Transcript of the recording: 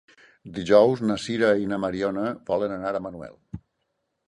Dijous na Sira i na Mariona volen anar a Manuel.